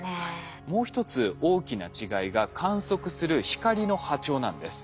もう一つ大きな違いが観測する光の波長なんです。